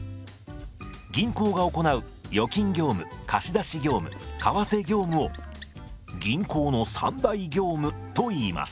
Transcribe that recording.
銀行が行う預金業務貸出業務為替業務を銀行の三大業務といいます。